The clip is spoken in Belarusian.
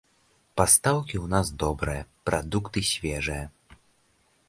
Пастаўкі ў нас добрыя, прадукты свежыя.